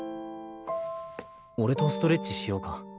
俺とストレッチしようか。